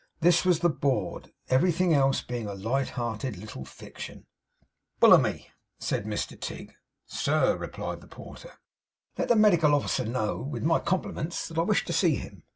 This was the board: everything else being a light hearted little fiction. 'Bullamy!' said Mr Tigg. 'Sir!' replied the porter. 'Let the Medical Officer know, with my compliments, that I wish to see him.